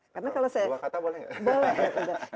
dua kata boleh nggak